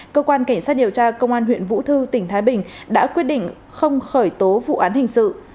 cơ quan cảnh sát điều tra công an huyện vũ thư tỉnh thái bình đã quyết định không khởi tố vụ án hình sự